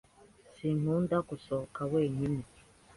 Sinkunda gusohoka wenyine.